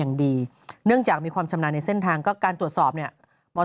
อันนี้คือไม่มีใครรู้เลยจนกระทั่งบิ๊กโจ๊กก็กลับมา